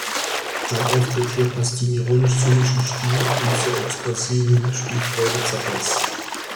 Sein Auftritt hier passt zum ironisch-zynischen Stil und zur expressiven Spielfreude Zappas.